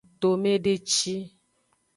Tomedeci.